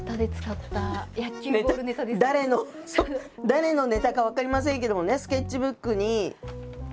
誰のネタか分かりませんけどもねスケッチブックに。